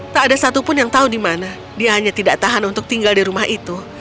tak ada satupun yang tahu di mana dia hanya tidak tahan untuk tinggal di rumah itu